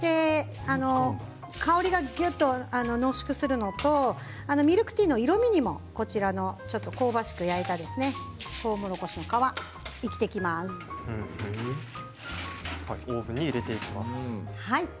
香りがぎゅっと濃縮するのとミルクティーの色みにもこちらの香ばしく焼いたとうもろこしの皮、生きてきます。